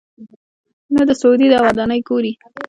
نه د سعودي دا ودانۍ ګوري.